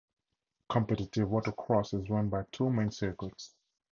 Competitive watercross is run by two main circuits.